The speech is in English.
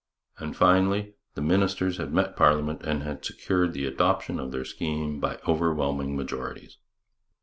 And, finally, the ministers had met parliament and had secured the adoption of their scheme by overwhelming majorities.